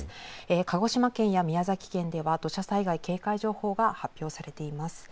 鹿児島県や宮崎県では土砂災害警戒情報が発表されています。